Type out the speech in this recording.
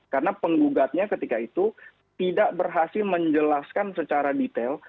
karena pengugatnya ketika itu tidak berhasil menjelaskan secara detail